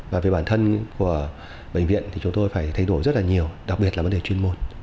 và về bản thân của bệnh viện thì chúng tôi phải thay đổi rất là nhiều đặc biệt là vấn đề chuyên môn